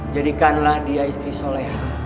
jadikanlah dia istri soleh